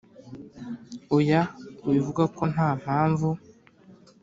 oya! wivuga ko nta mpamvu